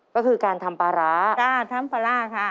ก็คือการทำปลาร้าจ้ะทำปลาร่าค่ะ